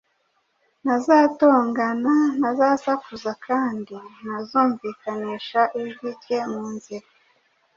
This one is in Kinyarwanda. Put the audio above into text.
Ntazatongana, ntazasakuza, kandi ntazumvikanisha ijwi rye mu nzira.